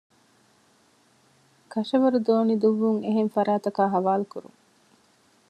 ކަށަވަރު ދޯނި ދުއްވުން އެހެން ފަރާތަކާއި ޙަވާލުކުރުން